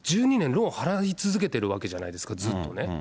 ローン払い続けているわけじゃないですか、ずっとね。